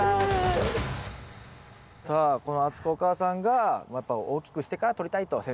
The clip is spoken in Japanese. さあこの敦子お母さんがやっぱ大きくしてからとりたいと。